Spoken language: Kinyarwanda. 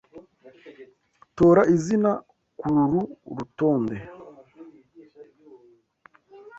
Tora izina kururu rutonde.